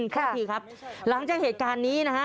นายเควิลขอบคุณครับหลังจากเหตุการณ์นี้นะคะ